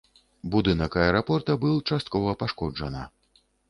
Будынак аэрапорта быў часткова пашкоджана.